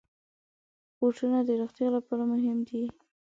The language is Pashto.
بوټونه د روغتیا لپاره مهم دي.